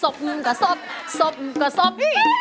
ศบมึงก็ศบศบมึงก็ศบ